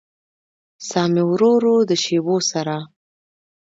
ساه مې ورو ورو د شېبو سره